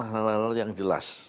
hal hal yang jelas